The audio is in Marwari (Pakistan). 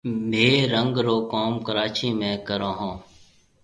ميه رنگ رو ڪوم ڪراچِي ۾ ڪرون هون۔